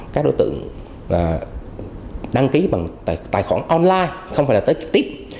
các đối tượng đăng ký bằng tài khoản online không phải là tết trực tiếp